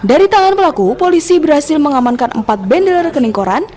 dari tangan pelaku polisi berhasil mengamankan empat bendel rekening koran